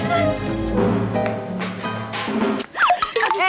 jangan lupa datang ya